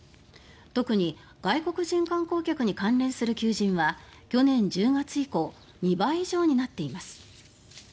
特に外国人観光客に関連する求人は去年１０月以降２倍以上になっています。